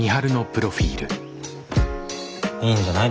いいんじゃない？